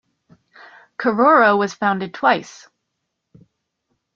Carora was founded twice.